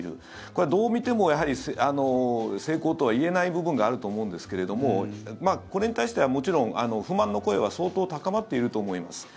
これはどう見ても成功とは言えない部分があると思うんですけれどもこれに対してはもちろん不満の声は相当高まっていると思います。